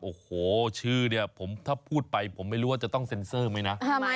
โอ้โหชื่อเนี่ยผมถ้าพูดไปผมไม่รู้ว่าจะต้องเซ็นเซอร์ไหมนะ